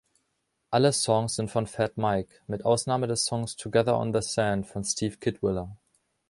Alle Songs sind von Fat Mike, mit Ausnahme des Songs "Together on the Sand" von Steve Kidwiller.